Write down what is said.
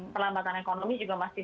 perlambatan ekonomi juga masih